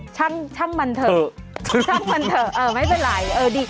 ช่างมันเถอะช่างมันเถอะเออไม่เป็นไรเออดี